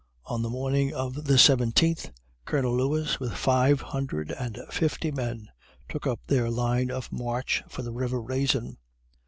On the morning of the seventeenth, Colonel Lewis, with five hundred and fifty men, took up their line of march for the "river Raisin."